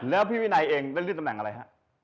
แล้วพี่วินัยเองได้เลื่อนตำแหน่งอะไรฮะ